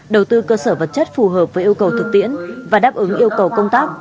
đầu tư cơ sở vật chất phù hợp với yêu cầu thực tiễn và đáp ứng yêu cầu công tác